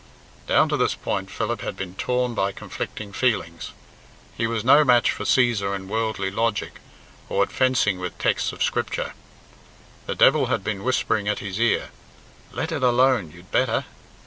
Down to this point Philip had been torn by conflicting feelings. He was no match for Cæsar in worldly logic, or at fencing with texts of Scripture. The devil had been whispering at his ear, "Let it alone, you'd better."